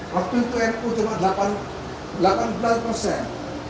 waktu itu npo cuma delapan belas persen